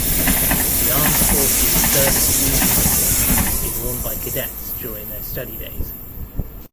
The Armed Forces service green uniform is worn by cadets during their study days.